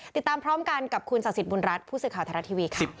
ติดตามพร้อมกันกับคุณศาสิทธิ์บุญรัฐผู้สื่อข่าวธนาทีวี